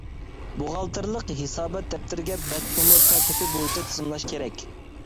بوغالتىرلىق ھېسابات دەپتىرىگە بەت نومۇر تەرتىپى بويىچە تىزىملاش كېرەك.